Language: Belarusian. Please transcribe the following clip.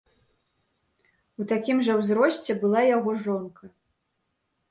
У такім жа ўзросце была і яго жонка.